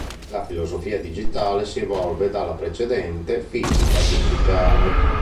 La filosofia digitale si evolve dalla precedente fisica digitale.